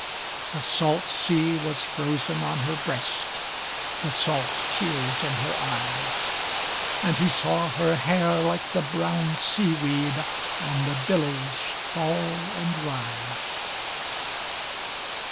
The salt sea was frozen on her breast, The salt tears in her eyes; And he saw her hair, like the brown sea weed, On the billows fall and rise.